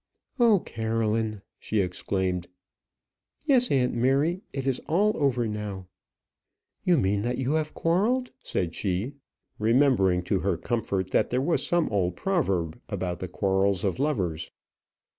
"Oh, Caroline!" she exclaimed. "Yes, aunt Mary; it is all over now." "You mean that you have quarrelled?" said she, remembering to her comfort, that there was some old proverb about the quarrels of lovers.